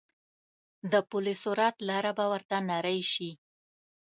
د پل صراط لاره به ورته نرۍ شي.